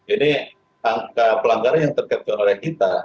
ini angka pelanggaran yang tercapture oleh kita